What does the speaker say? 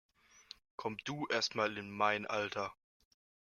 Komm du erst mal in mein Alter!